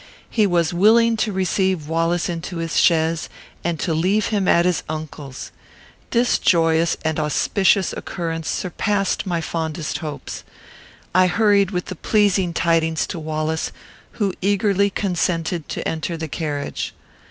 He was willing to receive Wallace into his chaise, and to leave him at his uncle's. This joyous and auspicious occurrence surpassed my fondest hopes. I hurried with the pleasing tidings to Wallace, who eagerly consented to enter the carriage.